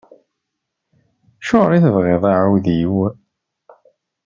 Acuɣer i tebɣiḍ aɛewdiw?